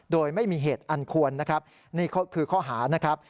โดยไม่มีเหตุอันควรนี่คือข้อหา